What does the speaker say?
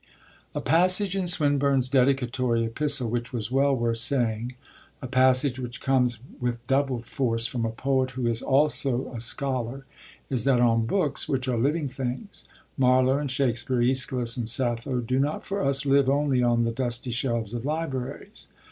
A passage in Swinburne's dedicatory epistle which was well worth saying, a passage which comes with doubled force from a poet who is also a scholar, is that on books which are living things: 'Marlowe and Shakespeare, Æschylus and Sappho, do not for us live only on the dusty shelves of libraries.'